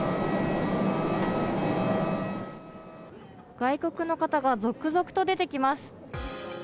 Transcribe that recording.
外国の方が続々と出てきます。